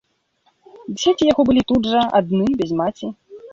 Дзеці яго былі тут жа, адны, без маці.